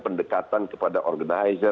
pendekatan kepada organizer